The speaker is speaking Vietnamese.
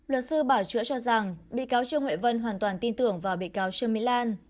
luật sư bảo chữa cho rằng bị cáo trương huệ vân hoàn toàn tin tưởng vào bị cáo trương mỹ lan